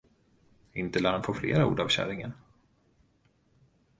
Inte lär han få flera ord av käringen.